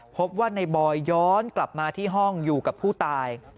พบว่าในบอยย้อนกลับมาที่ห้องอยู่กับผู้ตาย